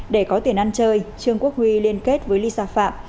để có tiền ăn chơi trương quốc huy liên kết với lisa phạm